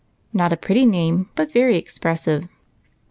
Not a pretty name, but very expressive."